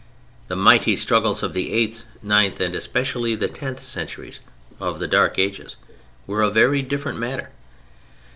The mighty struggles of the eighth, ninth and especially the tenth centuries—of the Dark Ages—were a very different matter.